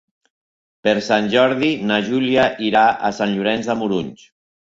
Per Sant Jordi na Júlia irà a Sant Llorenç de Morunys.